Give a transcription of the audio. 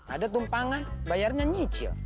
ada tumpangan bayarnya nyicil